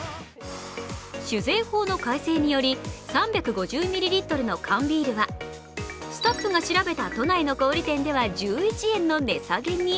酒税法の改正により３５０ミリリットルの缶ビールはスタッフが調べた都内の小売店では１１円の値下げに。